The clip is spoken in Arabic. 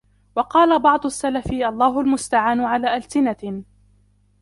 وَقَالَ بَعْضُ السَّلَفِ اللَّهُ الْمُسْتَعَانُ عَلَى أَلْسِنَةٍ